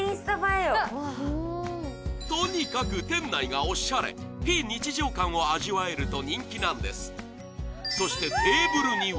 とにかく店内がオシャレ非日常感を味わえると人気なんですそして・